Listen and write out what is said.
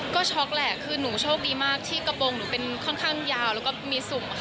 ก็ช็อกแหละคือหนูโชคดีมากที่กระโปรงหนูเป็นค่อนข้างยาวแล้วก็มีสุ่มค่ะ